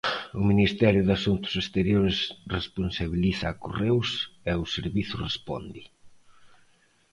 O Ministerio de Asuntos Exteriores responsabiliza a Correos e o servizo responde.